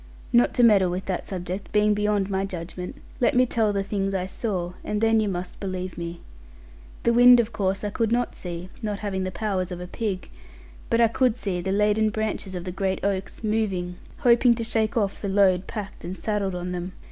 Not to meddle with that subject, being beyond my judgment, let me tell the things I saw, and then you must believe me. The wind, of course, I could not see, not having the powers of a pig; but I could see the laden branches of the great oaks moving, hoping to shake off the load packed and saddled on them.